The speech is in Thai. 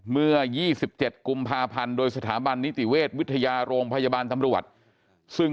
เมื่อ๒๗กุมภาพันธ์โดยสถาบันนิติเวชวิทยาโรงพยาบาลตำรวจซึ่ง